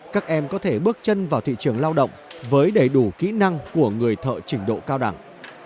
các em có thể bước chân vào thị trường lao động với đầy đủ kỹ năng của người thợ trình độ cao đẳng